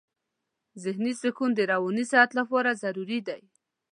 ذهني سکون د رواني صحت لپاره ضروري دی.